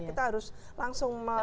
kita harus langsung menunggu